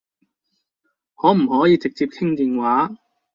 可唔可以直接傾電話？